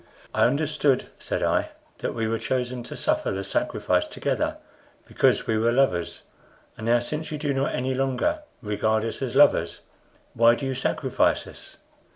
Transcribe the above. "I understood," said I, "that we were chosen to suffer the sacrifice together because we were lovers, and now since you do not any longer regard us as lovers, why do you sacrifice us?"